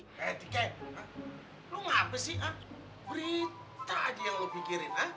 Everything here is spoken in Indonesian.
petike lo ngapain sih berita aja yang lo pikirin